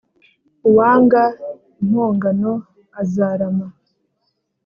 uwanga impongano azarama